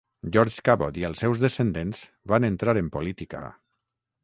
George Cabot i els seus descendents van entrar en política.